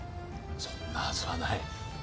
そんなはずはない。